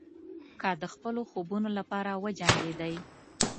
که د خپلو خوبونو لپاره وجنګېدئ.